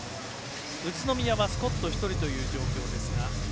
宇都宮はスコット１人という状況ですが。